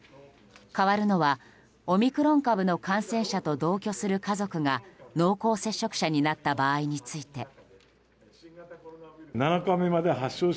変わるのはオミクロン株の感染者と同居する家族が濃厚接触者になった場合について。